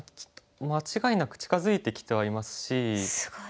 間違いなく近づいてきてはいますし。